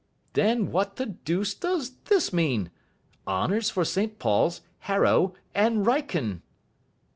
"Then what the deuce does this mean? 'Honours for St Paul's, Harrow, and Wrykyn'."